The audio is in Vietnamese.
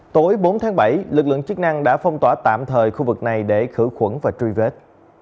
tối bốn tháng bảy lực lượng chức năng đã phong tỏa tạm thời khu vực này để khử khuẩn và truy vết